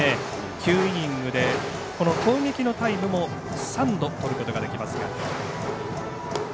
９イニングで攻撃のタイムも３度とることができますが。